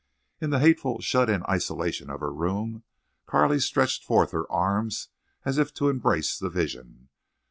In the hateful shut in isolation of her room Carley stretched forth her arms as if to embrace the vision.